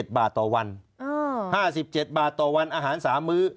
บาทต่อวัน๕๗บาทต่อวันอาหาร๓มื้อ